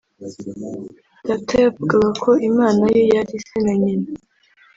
Data yavugaga ko Imana ye yari Se na Nyina